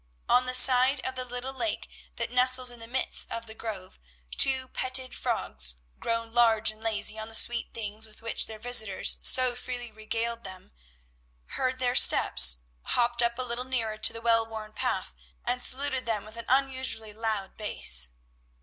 On the side of the little lake that nestles in the midst of the grove, two petted frogs, grown large and lazy on the sweet things with which their visitors so freely regaled them, heard their steps, hopped up a little nearer to the well worn path, and saluted them with an unusually loud bass.